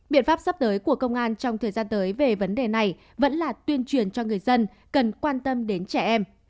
biện pháp sắp tới của công an trong thời gian tới về vấn đề này vẫn là tuyên truyền cho người dân cần quan tâm đến trẻ em